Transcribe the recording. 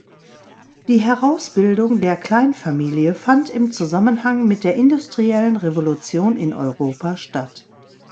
Die Herausbildung der "Kleinfamilie" fand im Zusammenhang mit der industriellen Revolution in Europa statt.